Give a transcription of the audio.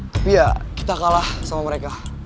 tapi ya kita kalah sama mereka